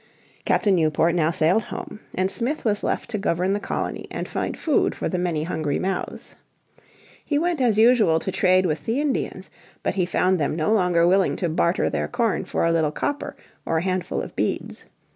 Captain Newport now sailed home, and Smith was left to govern the colony and find food for the many hungry mouths. He went as usual to trade with the Indians. But he found them no longer willing to barter their corn for a little copper or a handful of beads.